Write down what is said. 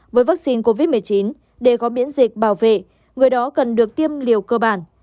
với vaccine covid một mươi chín để có miễn dịch bảo vệ người đó cần được tiêm liều cơ bản